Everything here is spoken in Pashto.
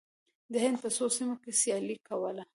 د هند په څو سیمو کې سیالي کوله.